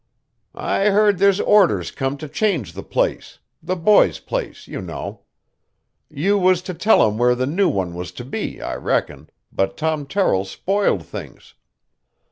"I hearn there's orders come to change the place the boy's place, you know. You was to tell 'em where the new one was to be, I reckon, but Tom Terrill spoiled things.